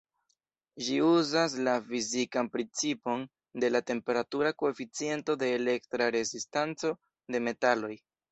Ĝi uzas la fizikan principon de la temperatura koeficiento de elektra rezistanco de metaloj.